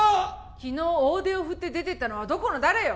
昨日大手を振って出てったのはどこの誰よ